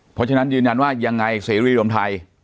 เพราะฉะนั้นยืนยันว่ายังไงเสรีรวมไทย